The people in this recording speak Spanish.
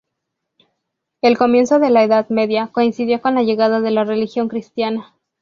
El comienzo de la Edad Media, coincidió con la llegada de la religión cristiana.